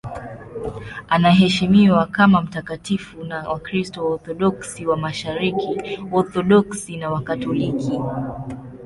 Anaheshimiwa kama mtakatifu na Wakristo Waorthodoksi wa Mashariki, Waorthodoksi na Wakatoliki.